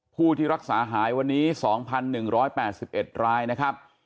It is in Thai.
ผู้ที่รักษาหายวันนี้๒๑๘๑รายนะครับ